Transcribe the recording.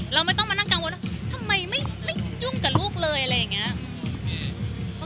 เราไม่ต้องมานั่งกังวลว่าทำไมไม่ยุ่งกับลูกเลยอะไรอย่างนี้